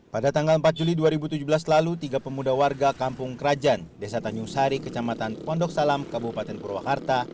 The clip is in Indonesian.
pada tanggal empat juli dua ribu tujuh belas lalu tiga pemuda warga kampung kerajaan desa tanjung sari kecamatan pondok salam kabupaten purwakarta